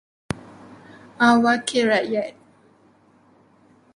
Wakil rakyat.